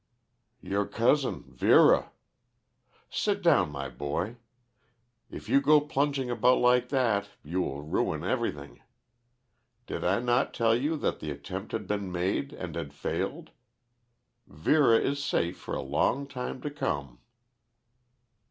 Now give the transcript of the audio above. "Your cousin, Vera. Sit down, my boy; if you go plunging about like that you will ruin everything. Did I not tell you that the attempt had been made and had failed? Vera is safe for a long time to come."